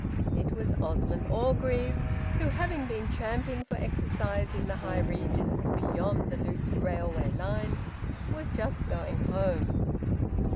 It was Osmond Orgreave who, having been tramping for exercise in the high regions beyond the Loop railway line, was just going home.